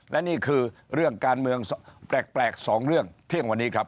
และนี่คือเรื่องการเมืองแปลกสองเรื่องเที่ยงวันนี้ครับ